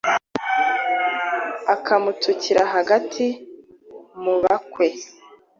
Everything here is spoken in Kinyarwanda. akamutukira hagati mu bakwe